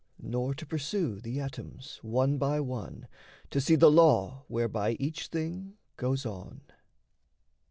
Nor to pursue the atoms one by one, To see the law whereby each thing goes on.